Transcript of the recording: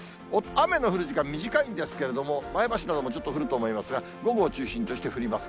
雨の降る時間短いんですけれども、前橋などもちょっと降ると思いますが、午後を中心として降ります。